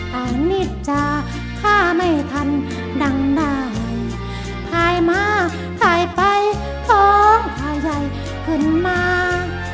ตอนนี้จ้าข้าไม่ทันดังได้ถ่ายมาถ่ายไปโทรงถ่ายใหญ่ขึ้นมา